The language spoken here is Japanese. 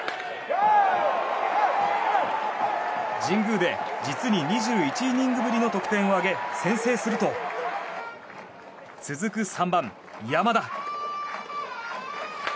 神宮で、実に２１イニングぶりの得点を挙げ、先制すると続く３番、山田。